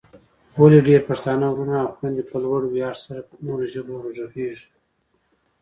ولې ډېرای پښتانه وروڼه او خويندې په لوړ ویاړ سره په نورو ژبو غږېږي؟